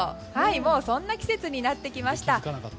もうそんな季節になってきました。